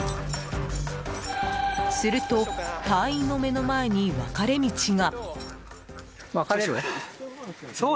すると隊員の目の前に分かれ道が。